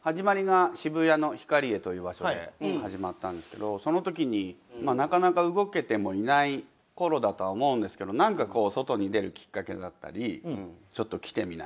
渋谷のヒカリエという場所で始まったんですけどそのときになかなか動けてもいないころだとは思うんですけど外に出るきっかけだったりちょっと来てみない？